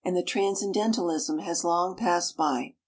The word "transcendentalism" has long passed by.